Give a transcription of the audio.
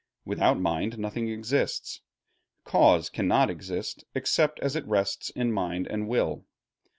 Without mind nothing exists. Cause cannot exist except as it rests in mind and will.